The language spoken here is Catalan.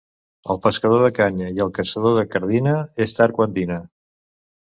El pescador de canya i el caçador de cardina és tard quan dina.